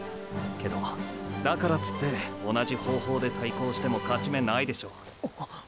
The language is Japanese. けどだからつって同じ方法で対抗しても勝ち目ないでしょ。